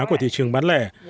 của thị trường bán lẻ